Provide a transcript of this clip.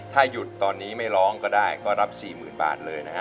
ถ้าหยุดตอนนี้ไม่ร้องก็ได้ก็รับ๔๐๐๐บาทเลยนะฮะ